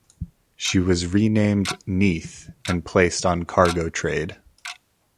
She was renamed "Neath" and placed on cargo trade.